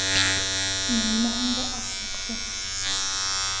Менмәһәң дә ат яҡшы